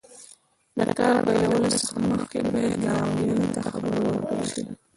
د کار پیلولو څخه مخکې باید ګاونډیانو ته خبر ورکړل شي.